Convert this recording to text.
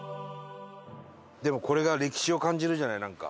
でもこれが歴史を感じるじゃないなんか。